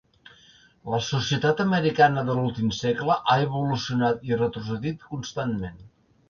La societat americana de l'últim segle ha evolucionat i retrocedit constantment.